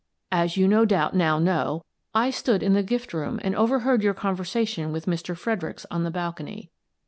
As you no doubt now know, I stood in the gift room and overheard your conversation with Mr. Freder icks on the balcony.